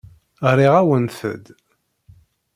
Ɣriɣ-awent-d.